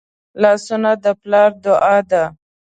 لاسونه د پلار دعا ده